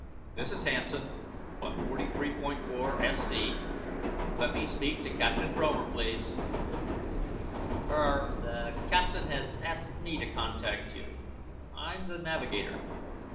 "This is Hansen on 43.4SC. Let me speak to Captain Fromer, please." "Er the Captain has asked me to contact you. I'm the navigator.